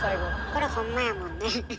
これほんまやもんね。